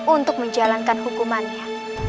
untuk menjalankan hukumannya